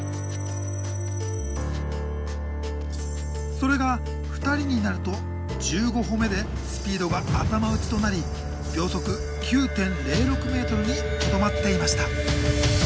それが２人になると１５歩目でスピードが頭打ちとなり秒速９．０６ｍにとどまっていました。